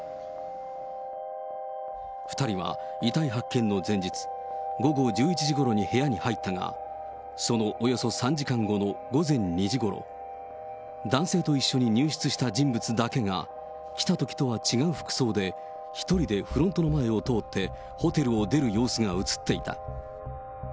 ２人は遺体発見の前日、午後１１時ごろに部屋に入ったが、そのおよそ３時間後の午前２時ごろ、男性と一緒に入室した人物だけが、来たときとは違う服装で、１人でフロントの前を通って、ホテルを出る様子が写っていた。